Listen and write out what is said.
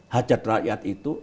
hajat rakyat itu